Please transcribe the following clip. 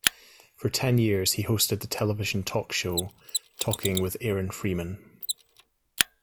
For ten years, he hosted the television talk show "Talking with Aaron Freeman".